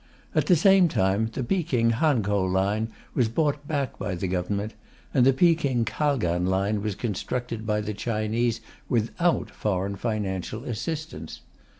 At the same time, the Peking Hankow line was bought back by the Government, and the Peking Kalgan line was constructed by the Chinese without foreign financial assistance.